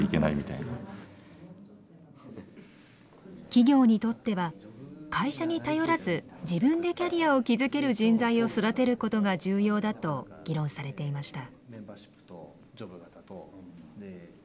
企業にとっては会社に頼らず自分でキャリアを築ける人材を育てることが重要だと議論されていました。